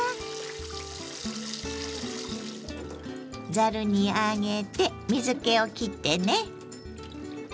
ざるに上げて水けをきってね。